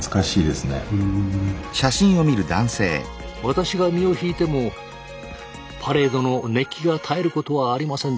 私が身を引いてもパレードの熱気が絶えることはありませんでした。